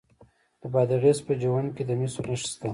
د بادغیس په جوند کې د مسو نښې شته.